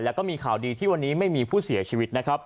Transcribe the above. แล้วก็มีข่าวดีที่วันนี้ไม่มีผู้เสียชีวิตนะครับ